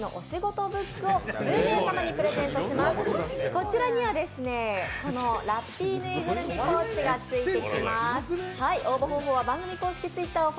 こちらには、このラッピーぬいぐるみポーチが付いてきます。